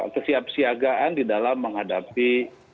kesiap siagaan di dalam menghadapi